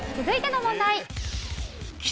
続いての問題。